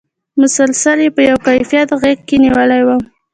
مسلسل یې په یوه کیفیت غېږ کې نېولی وم.